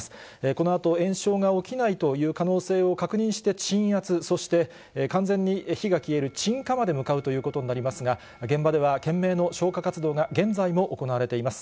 このあと、延焼が起きないという可能性を確認して鎮圧、そして完全に火が消える鎮火まで向かうということになりますが、現場では懸命の消火活動が現在も行われています。